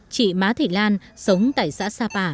chị má thị lan sống tại xã sapa